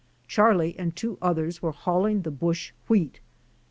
Charlie and two others were hauling the Busch wheat.